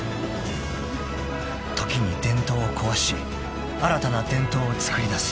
［時に伝統を壊し新たな伝統をつくり出す］